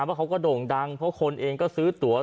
เพราะเขาก็โด่งดังเพราะคนเองก็ซื้อตัว